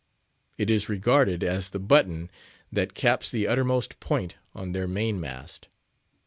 It is regarded as the button that caps the uttermost point on their main mast.